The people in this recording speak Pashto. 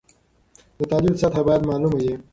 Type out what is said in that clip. د تحلیل سطحه باید معلومه وي.